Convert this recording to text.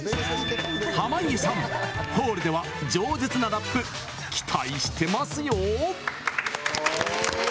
濱家さん、ホールではじょう舌なラップ期待してますよ！